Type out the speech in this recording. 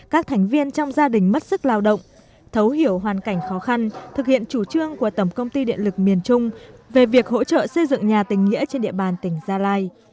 các thành viên trong gia đình mất sức lao động thấu hiểu hoàn cảnh khó khăn thực hiện chủ trương của tổng công ty điện lực miền trung về việc hỗ trợ xây dựng nhà tình nghĩa trên địa bàn tỉnh gia lai